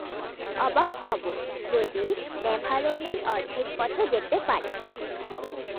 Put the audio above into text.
অবাক হব যদি ন্যাভারোনের অর্ধেক পথও যেতে পারে।